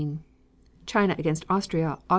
China against Austria, Aug.